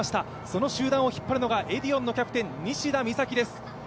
その集団を引っ張るのがエディオンのキャプテン・西田美咲です。